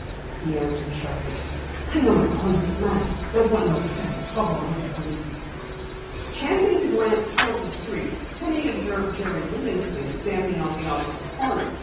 he answered sharply. "I am an honest man and want no sad trouble with the police." Chancing to glance toward the street, Penny observed Jerry Livingston standing on the opposite corner.